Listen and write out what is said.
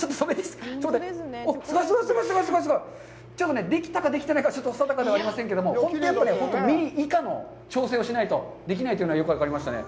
ちょっとね、できたかできてないか定かではありませんけれども、本当にミリ以下の調整をしないとできないというのはよく分かりましたね。